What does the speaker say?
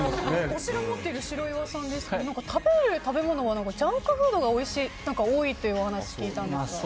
お城持っている白岩さんですが食べ物がジャンクフードが多いというお話を聞いたんですが。